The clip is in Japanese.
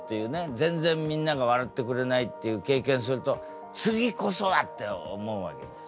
全然みんなが笑ってくれないっていう経験すると「次こそは！」って思うわけですよ。